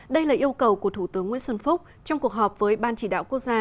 đây là yêu cầu của thủ tướng nguyễn xuân phúc trong cuộc họp với ban chỉ đạo quốc gia